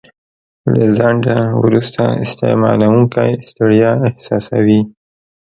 له ځنډه وروسته استعمالوونکی ستړیا احساسوي.